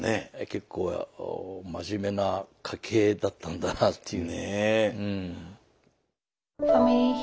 結構真面目な家系だったんだなぁっていう。